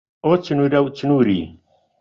ئۆ چنوورە و چنووری